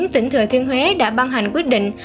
tỉnh thừa thiên huế đã ban hành quyết định